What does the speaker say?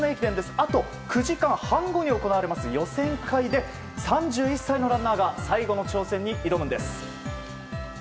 あと９時間半後に行われます予選会で、３１歳のランナーが最後の挑戦に挑むんです。